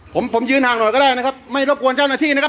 ผมผมยืนห่างหน่อยก็ได้นะครับไม่รบกวนเจ้าหน้าที่นะครับ